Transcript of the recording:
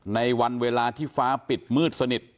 ในวันเวลาที่ฟ้าปิดมืดสนิท